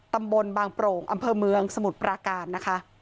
ตำบลบางโปร่งอำเภอเมืองสมุทรปราการนะคะ